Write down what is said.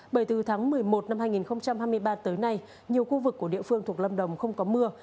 bởi từ tháng một mươi một năm hai nghìn hai mươi ba tới nay nhiều khu vực của địa phương thuộc lâm đồng không có mưa